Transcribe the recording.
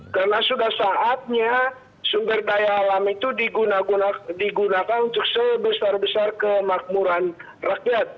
karena sudah saatnya sumber daya alam itu digunakan untuk sebesar besar kemakmuran rakyat